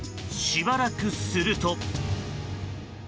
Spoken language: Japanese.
しばらくすると。